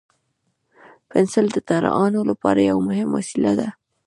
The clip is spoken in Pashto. پنسل د طراحانو لپاره یو مهم وسیله ده.